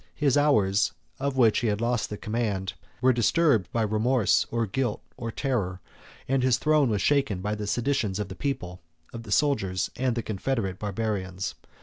His hours, of which he had lost the command, were disturbed by remorse, or guilt, or terror, and his throne was shaken by the seditions of the soldiers, the people, and the confederate Barbarians.